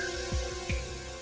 kita mau brouhaha balik